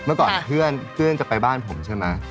เมื่อก่อนเพื่อนจะไปบ้านผมใช่ไหม